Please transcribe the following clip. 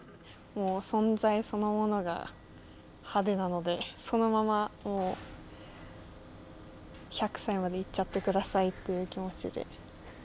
存在そのものが派手なのでそのまま１００歳まで行っちゃって下さいっていう気持ちで。